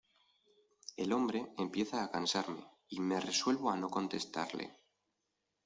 el hombre empieza a cansarme, y me resuelvo a no contestarle.